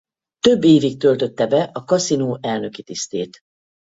Több évig töltötte be a kaszinó elnöki tisztét.